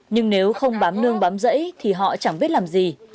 nhưng nếu không bám nương bám dẫy thì họ chẳng biết làm gì